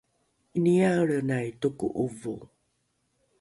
’iniaelrenai toko’ovo